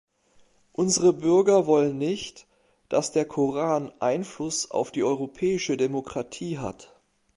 Unsere Bürger wollen nicht, dass der Koran Einfluss auf die europäische Demokratie hat.